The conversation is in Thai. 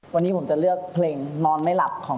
วันนี้ผมจะเลือกเพลงนอนไม่หลับของ